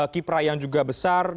kipra yang juga besar